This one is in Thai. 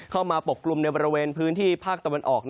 ปกกลุ่มในบริเวณพื้นที่ภาคตะวันออก